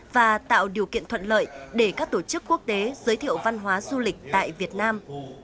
và tạo điều kiện thuận lợi để các tổ chức quốc tế giới thiệu văn hóa du lịch tại việt nam